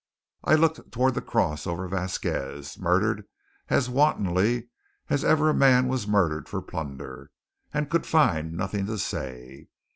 I looked toward the cross over Vasquez, murdered as wantonly as ever man was murdered for plunder, and could find nothing to say.